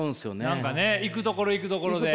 何かね行くところ行くところで。